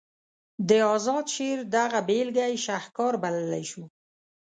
د اذاد شعر دغه بیلګه یې شهکار بللی شو.